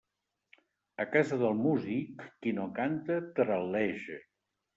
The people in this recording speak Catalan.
A casa del músic, qui no canta, taral·leja.